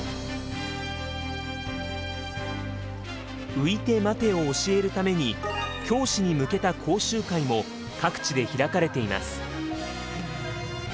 「ういてまて」を教えるために教師に向けた講習会も各地で開かれています。